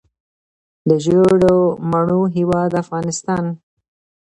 د ژیړو مڼو هیواد افغانستان.